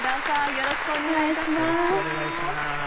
よろしくお願いします。